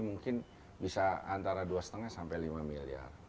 mungkin bisa antara dua lima sampai lima miliar